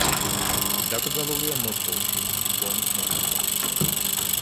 დაკრძალულია მოსკოვში, დონის მონასტერში.